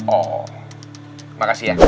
oh makasih ya